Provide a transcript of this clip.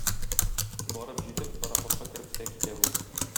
Барып җитеп, пароходка кереп тә китә бу.